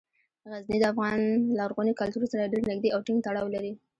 غزني د افغان لرغوني کلتور سره ډیر نږدې او ټینګ تړاو لري.